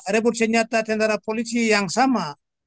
rebut senjata tentara polisi yang sama